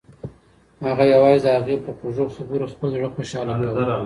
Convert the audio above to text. هغه یوازې د هغې په خوږو خبرو خپل زړه خوشحاله کاوه.